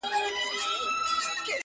• لکه پل غوندي په لار کي پاتېده دي -